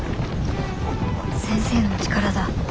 先生の力だ。